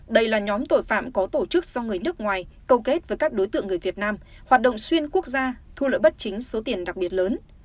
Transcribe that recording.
đây là nhóm tội phạm có tổ chức do người nước ngoài câu kết với các đối tượng người việt nam hoạt động xuyên quốc gia thu lợi bất chính số tiền đặc biệt lớn